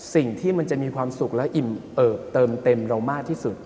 สิ่งที่มันจะมีความสุขและอิ่มเอิบเติมเต็มเรามากที่สุด